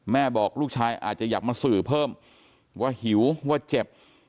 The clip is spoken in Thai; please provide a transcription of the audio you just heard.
บอกลูกชายอาจจะอยากมาสื่อเพิ่มว่าหิวว่าเจ็บ